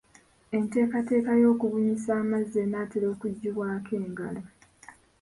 Enteekateeka y'okubunyisa amazzi enaatera okuggyibwako engalo.